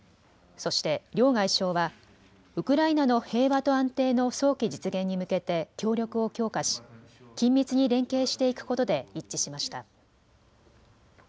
そして両外相はウクライナの平和と安定の早期実現に向けて協力を強化し緊密に連携していくことで一致しました。